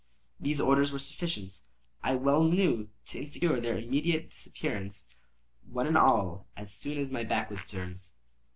These orders were sufficient, I well knew, to insure their immediate disappearance, one and all, as soon as my back was turned.